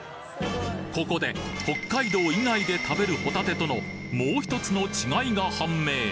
ここで北海道以外で食べるホタテとのもう１つの違いが判明